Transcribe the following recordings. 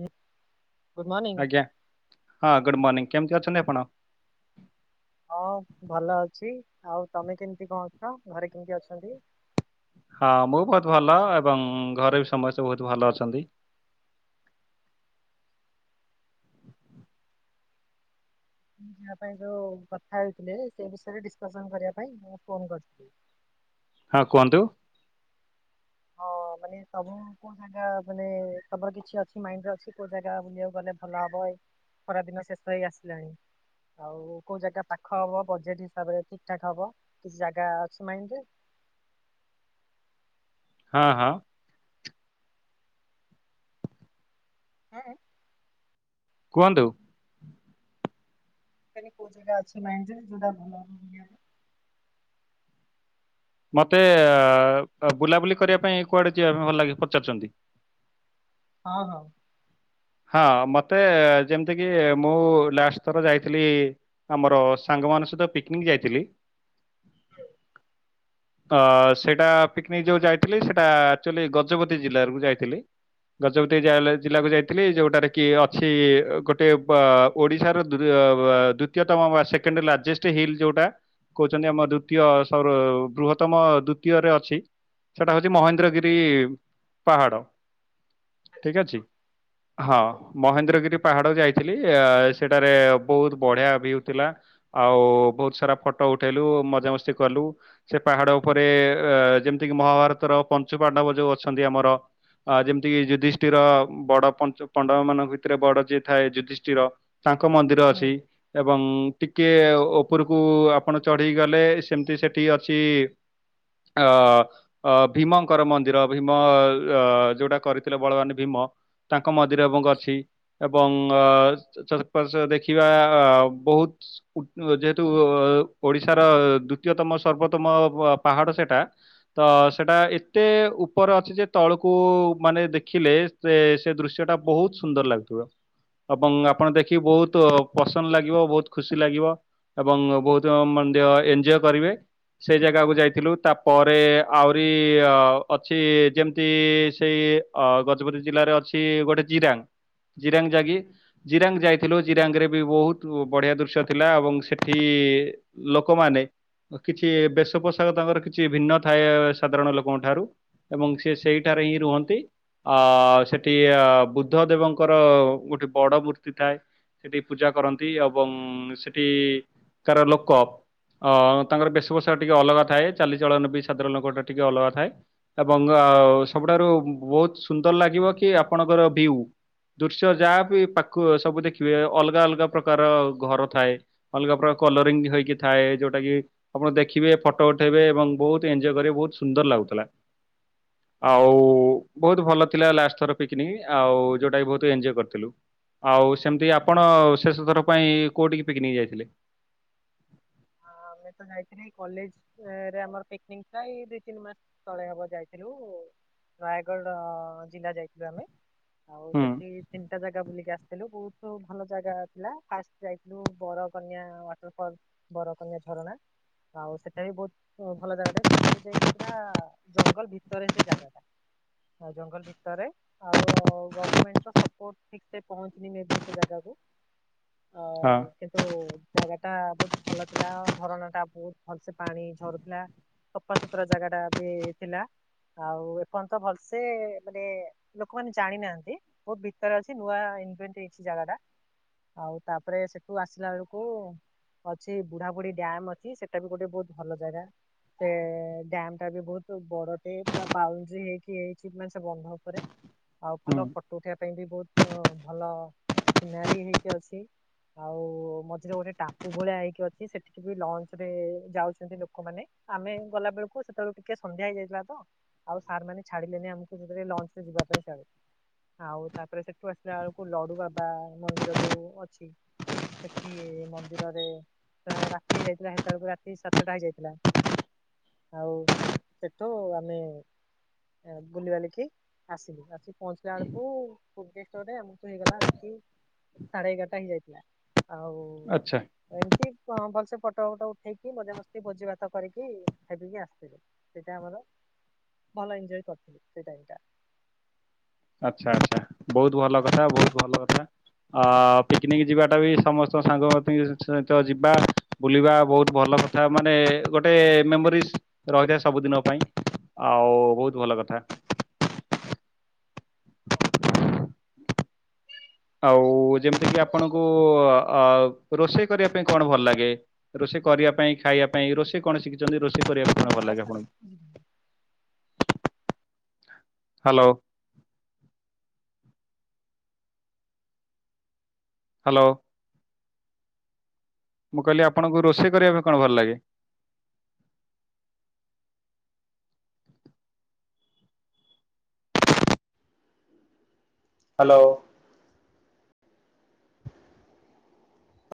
ହୁଁ। ଆଜ୍ଞା ହଁ ଗୁଡ୍ ମର୍ଣିିଂ। କେମିତି ଅଛନ୍ତି ଆପଣ? ହଁ, ଭଲ ଅଛି। ଆଉ ତମେ କେମିତି କଣ ଅଛ? ଘରେ କେମିତି ଅଛନ୍ତି? ହଁ, ମୁଁ ବହୁତ ଭଲ ଏବଂ ଘରେ ବି ସମସ୍ତେ ବହୁତ ଭଲ ଅଛନ୍ତି। ଯାହା ପାଇଁ ଯୋଉ କଥା ହୋଇଥିଲେ ସେ ବିଷୟରେ ଡିସ୍କସନ୍ କରିବା ପାଇଁ ମୁଁ ଫୋନ କରିଥିଲି। ହଁ, କୁହନ୍ତୁ। ହଁ, ମାନେ ସବୁ କୋଉ ଜାଗା ମାନେ ତମର କିଛି ଅଛି ମାଇଣ୍ଡରେ ଅଛି କୋଉ ଜାଗା ବୁଲିବାକୁ ଗଲେ ଭଲ ହବ ଏ। ଖରାଦିନ ଶେଷ ହେଇ ଆସିଲାଣି। ଆଉ କୋଉ ଜାଗା ପାଖ ହବ? ବଜେଟ୍ ହିସାବରେ ଠିକ୍ ଠାକ୍ ହବ। କିଛି ଜାଗା ଅଛି ମାଇଣ୍ଡରେ? ହଁ ହଁ। ହଁ। କୁହନ୍ତୁ। [inaudible] କୋଉ ଜାଗା ଅଛି ମାଇଣ୍ଡରେ ଯୋଉଟା ଭଲ ହବ ବୁଲିବାକୁ। ମତେ ଆଁ ବୁଲାବୁଲି କରିବା ପାଇଁ କୁଆଡେ ଯିବା ପାଇଁ ଭଲ ଲାଗେ ପଚାରୁଛନ୍ତି? ହଁ ହଁ। ହଁ ମତେ ଯେମିତିକିି ମୁଁ ଲାଷ୍ଟ ଥର ଯାଇଥିଲି ଆମର ସାଙ୍ଗମାନଙ୍କ ସହିତ ପିକ୍ନିକ୍ ଯାଇଥିଲି ହୁଁ। [unintelligible] ଅଁ ସେଇଟା ପିକ୍ନିକ୍ ଯୋଉ ଯାଇଥିଲି ସେଇଟା ଆକ୍ଚୁଆଲି ଗଜପତି ଜିଲ୍ଲା [unintelligible] କୁ ଯାଇଥିଲି। ଗଜପତି [unintelligible] ଜିଲ୍ଲାକୁ ଯାଇ ଥିଲି। ଯୋଉଟାରେ କି ଅଛି ଇଏ ଗୋଟେ ବା ଓଡିଶାର ଦୂର ବା ଦ୍ବୁତ୍ ତିୟତମ ବା ସେକେଣ୍ଡ ଲାର୍ଜେଷ୍ଟ ହିଲ୍ ଯୋଉଟା କହୁଛନ୍ତି ଆମ ଦ୍ଵୁତୀୟ ସୌର ବୃହତ୍ତମ ଦ୍ଵୁତୀୟରେ ଅଛି। ସେଇଟା ହଉଛି ମହେନ୍ଦ୍ରଗିରି ପାହାଡ। ଠିକ୍ ଆଚ୍ଛା, ଅଛି। ହଁ ମହେନ୍ଦ୍ରଗିରି ପାହାଡ ଯାଇଥିଲି। ଆଁ ସେଠାରେ ବହୁତ ବଢିଆ ଭ୍ୟୁ ଥିଲା। ଆଉ ବହୁତ ସାରା ଫଟୋ ଉଠେଇଲୁ, ମଜାମସ୍ତି କଲୁ। ସେ ପାହାଡ ଉପରେ ଅ ଯେମିତି କିି ମହାଭାରତର ପଞ୍ଚୁ ପାଣ୍ଡବ ଯୋଉ ଅଛନ୍ତି ଆମର ଆ ଯେମିତି କିି ଯୁଧିଷ୍ଠିର ବଡ ପଞ୍ଚୁ ପଣ୍ଡବମାନଙ୍କ ଭିତରେ ବଡ ଯିଏ ଥାଏ ଯୁଧିଷ୍ଠିର ତାଙ୍କ ହଁ, ମନ୍ଦିର ହୁଁ ଅଛି ଏବଂ ଟିକେ ହୁଁ ଓ-ଓ ଉପରୁକୁ ଆପଣ ଚଢିକି ଗଲେ ସେମିତି ସେଇଠି ଅଛି ଅଁ ଅ ଭୀମଙ୍କର ମନ୍ଦିର ଭୀମ ଅ ଯୋଉଟା କରିଥିଲେ ବଳବାନ ଭୀମ। ତାଙ୍କ ମଦିର, ଏବଂ ଅଛି। ଏବଂ ଚରପଶ ଦେଖିବା ଅ ବହୁତ ଯେହେତୁ ଓଡିଶାର ଦ୍ଵିତୀୟତମ ସର୍ବୋତମ ପାହାଡ ସେଟା। ତ ସେଟା ଏତେ ଉପର ଅଛି ଯେ, ତଳକୁ ମାନେ ଦେଖିଲେ ସେ, ସେ ଦୃଶ୍ୟ ଟା ବହୁତ ସୁନ୍ଦର ଲାଗୁଥିବ। ଏବଂ ଆପଣ ଦେଖିକି ବହୁତ ପସନ୍ଦ ଲାଗିବ ବହୁତ ଖୁସି ଲାଗିବ। ଏବଂ ବହୁତ ମନ୍ଦ୍ୟ ଏଞଜୟ କରିବେ। ସେ ଜାଗାକୁ ଯାଇଥିଲୁ ତାପରେ ଆହୁରି ଅଛି ଯେମିତି ସେଇ ଅ ଗ ଗଜପତି ଜିଲ୍ଲାରେ ଅଛି ଗୋଟେ ଜିରାଙ୍ଗ ଜିରାଙ୍ଗ ଜାଗି ଜିରାଙ୍ଗ ଯାଇଥିଲୁ ଆଚ୍ଛା। ଜିରାଙ୍ଗରେ ବି ବହୁତ ବଢିଆ ଦୃଶ୍ୟ ଥିଲା ଏବଂ ସେଠି ଲୋକମାନେ କିଛି ବେଶ ପୋଷାକ ତାଙ୍କର କିଛି ଭିନ୍ନ ଥାଏ ସାଧାରଣ ଲୋକଙ୍କ ଠାରୁ ଏବଂ ସେ ସେଇଠାରେ ହିଁ ରୁହନ୍ତି। ଅ ସେଠି ଅ ବୁଦ୍ଧ ଦେବଙ୍କର ଗୋଟେ ବଡ ମୂର୍ତ୍ତି ଥାଏ। ସେଠି ପୂଜା କରନ୍ତି ଏବଂ ସେଠି କାର ଲୋକ ଅ ତାଙ୍କର ବେଶପୋଷାକ ଟିକେ ଅଲଗା ଥାଏ, ଚାଲିଚଳନ ବି ସାଧାରଣ ଲୋକଙ୍କଠୁ ଅଲଗା ଥାଏ। ଏବଂ ସବୁଠାରୁ ବହୁତ ସୁନ୍ଦର ଲାଗିବ କି ଆପଣଙ୍କର ଭିଉ ଦୃଶ୍ୟ ଯାହାବି ପା ସବୁ ଦେଖିବେ ଅଲଗା ଅଲଗା ପ୍ରକାର ଘର ଥାଏ। ଅଲଗା ପ୍ର କଲରିଙ୍ଗ ହେଇକି ଥାଏ ଯୋଉଟା କି ଆପଣ ଦେଖିବେ ଫଟ ଉଠେଇବେ ଏବଂ ବହୁତ ଏନଜୟ କରିବେ ବହୁତ ସୁନ୍ଦର ଲାଗୁଥିଲା। ଆଉ ବହୁତ ଭଲ ଥିଲା ଲାଷ୍ଟ ଥର ପିକନିକ ଆଉ ଯୋଉଟା ବହୁତ ଏନଜଏ କରିଥିଲୁ। ଆଉ ସେମିତି ଆପଣ ଶେଷଥର ପାଇଁ କୋଉଠିକି ପିକନିକ୍ ଯାଇଥିଲେ? ହଁ ଆମେ ତ ଯାଇଥି ନି କଲେଜରେ ଆମର ପିକନିକ ଏଇ ଦିଇ ତିନି ମାସ ତଳେ ହବ ଯାଇଥିଲୁ ନୟଗଡ ଜିଲ୍ଲା ଯାଇଥିଲୁ ଆମେ। ଆଉ ହୁଁ ସେଠି ତିନିଟା ଜାଗା ବୁଲିକି ଆସ ଥିଲୁ ବହୁତ ଭଲ ଜାଗା ଥିଲା ଫାଷ୍ଟ ଯାଇଥିଲୁ ବରକନ୍ୟା ୱାଟର ଫଲ୍। ବର କନ୍ୟା ଝରଣା ଆଉ ସେଟା ବି ବହୁତ ହ ଭଲ ଜାଗାଟା ସେ ବୋଉ ଯାଇକି ପୁରା ଜଙ୍ଗଲ ଭିତରେ ସେ ଜାଗା ଟା। ଆ ଜଙ୍ଗଲ ଭିତରେ ଆଉ ଗମେଣ୍ଟ ର ସପୋର୍ଟ ଠିକ ସେ ପହଞ୍ଚିନି ଏବେ ସେ ଜାଗାକୁ। [inaudible] ଆ ହଁ କିନ୍ତୁ ଜାଗା ଟା ବହୁ ଭଲ ଥିଲା ଝରଣା ଟା ବହୁତ ଭଲସେ ପାଣି ଝରୁଥିଲା। ସଫାସୁତୁରା ଜାଗା ଟା ବି ଥିଲା। ଆଉ ଏପର୍ଯ୍ୟନ୍ତ ଭଲସେ ମାନେ ଲୋକମାନେ ଜାଣିନାହାନ୍ତି। ବହୁତ ଭିତରେ ଅଛି ନୂଆଇନଭେନଟ୍ ହେଇଚି ଜାଗା ଟା। ଆଉ ତାପରେ ସେଠୁ ଆସିଲା ବେଳକୁ ଅଛି ବୁଢାବୁଢୀ ଡ୍ୟାମ ଅଛି ସେଟା ବି ଗୋଟେ ବହୁତ ଭଲ ଜାଗା। ସେ ଡ୍ୟାମ ଟା ବି ବହୁତ ବଡଟେ ପୁରା ବାଉଣ୍ଡ୍ରି ହେଇକି ହେଇଛି ମାନେ ସେ ବନ୍ଧ ଉପରେ। [inaudible] ଆଉ ଭଲ ଫଟୋ ଉଠେଇବା ପାଇଁ ବି ବହୁତ ଭଲ ସିନାରୀ ହେଇକି ଅଛି। ଆଉ ମଝିରେ ଗୋଟେ ଟା କୋଉ ଭଳିଆ ହେଇକି ଅଛି ସେଠିକି ବି ଲଞ୍ଚ ରେ ଯାଉଛନ୍ତି ଲୋକମାନେ ଆମେ ଗଲା ବେଳକୁ ସେତେବେଳକୁ ଟିକେ ସନ୍ଧ୍ୟା ହେଇଯାଇଥିଲା ତ ଆଉ ସାର୍ ମାନେ ଛାଡିଲେନି ଆମକୁ ଲଞ୍ଚ ରେ ଯିବା ପାଇଁ ଆଉ। ଆଉ ତାପରେ ସେଠୁ ଆସିଲା ବେଳକୁ ଲଡୁ ବାବା ମନ୍ଦିର ଯୋଉ ଅଛି। ସେଠ ମଧ୍ୟ ମନ୍ଦିରରେ ରାତି ହେଇଯାଇଥିଲା ସେତେବେଳକୁ ରାତି ସାତଟା ହେଇଯାଇଥିଲା। ଆଉ ସେଠୁ ଆମେ ବୁଲିିବାଲିକି ଆସିଲୁ ଆସିକି ପହଞ୍ଚିଲା ବେଳକୁ ଭୁବନେଶ୍ଵରରେ ଆମକୁ ହେଇଗଲା ରାତି ସାଢେ ଏଗାରଟା ହେଇ ଯାଇଥିଲା ଆଉ ଆଚ୍ଛା ଏମିତି ଭଲସେ ପଟ ଫଟ ଉଠେଇକି ମଜା ମସ୍ତି ଭୋଜି ଭାତ କରିକି ଖାଇ ପିକି ଆସିଥିଲୁ। ସେଟା ଆମର ଭଲ ଏଞଜୟ କରିଥିଲି ସେଇ ରାଇଡ ଟା। ଆଚ୍ଛା ଆଚ୍ଛା ବହୁତ ଭଲ କଥା ବହୁତ ଭଲ କଥା। ଅ ପିକନିକ ଯିବାଟା ବି ସମସ୍ତଙ୍କ ସାଙ୍ଗସଥି ସହିତ ଯିବା। ବୁଲିବା ବହୁତ ଭଲ କଥା ମାନେ ଗୋଟେ ମେମୋରିଜ ରହିଥାଏ ସବୁଦିନ ପାଇଁ। ଆଉ ବହୁତ ଭଲ କଥା। [inaudible] ଆଉ ଯେମିତି କିି ଆପଣଙ୍କୁ ରୋଷେଇ କରିବା ପାଇଁ କଣ ଭଲ ଲାଗେ? ରୋଷେଇ କରିବା ପାଇଁ ଖାଇବା ପାଇଁ ରୋଷେଇ କଣ ଶିଖିଛନ୍ତି ରୋଷେଇ କରିବା ପାଇଁ ତମ କଣ ଭଲ ଭଏସ ଲାଗେ ଟା କଟୁଛି। ଆପଣଙ୍କୁ? ହାଲୋ। ହାଲୋ। ମୁଁ କହିଲି ଆପଣଙ୍କୁ ରୋଷେଇ କରିବା ପାଇଁ କଣ ଭଲ ଲାଗେ? ହାଲୋ।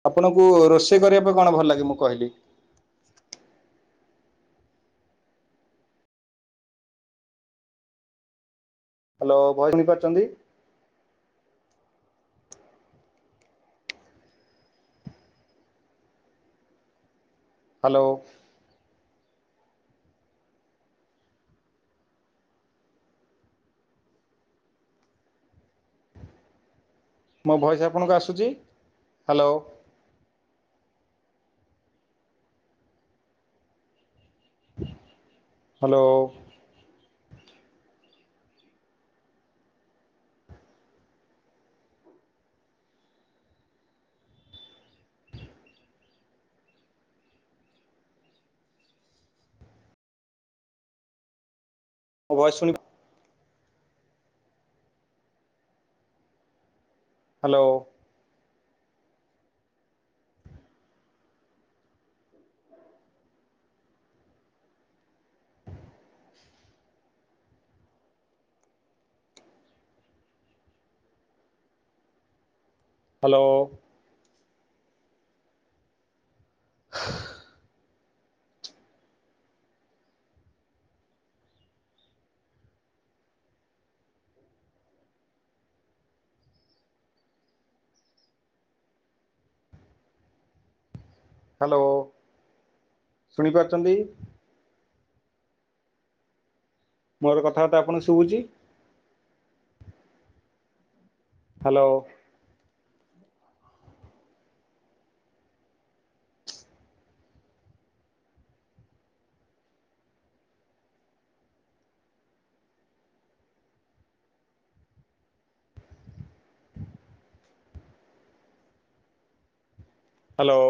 ଆପଣଙ୍କୁ ରୋଷେଇ କରିବା ପାଇଁ କଣ ଭଲ ଲାଗେ ମୁଁ କହିଲି। ହାଲୋ ଭୟସ୍ ଶୁଣି ପାରୁଛନ୍ତି। ହାଲୋ। ମୋ ଭଏସ୍ ଆପଣଙ୍କୁ ଆସୁଛି ହାଲୋ। ହାଲୋ। ମୋ ଭଏସ୍ ଶୁଣି ପା ହାଲୋ। ହାଲୋ [inaudible] ହାଲୋ ଶୁଣିପାରୁଛନ୍ତି। ମୋର କଥାବାର୍ତ୍ତା ଆପଣଙ୍କୁ ଶୁଭୁଛି। ହାଲୋ। ହାଲୋ।